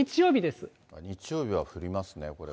日曜日は降りますね。